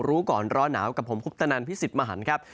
รู้ก่อนร้อนหนาวกับผมคุปตนันพิสิทธิ์มหันครับ